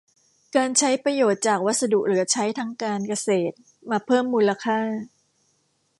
การใช้ประโยชน์จากวัสดุเหลือใช้ทางการเกษตรมาเพิ่มมูลค่า